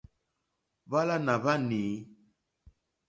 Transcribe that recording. Hwálánà hwá nǐ.